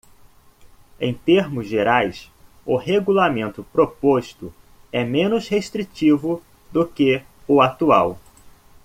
Em termos gerais, o regulamento proposto é menos restritivo do que o atual.